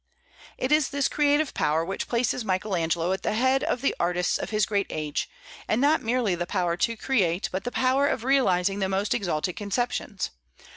It is this creative power which places Michael Angelo at the head of the artists of his great age; and not merely the power to create but the power of realizing the most exalted conceptions.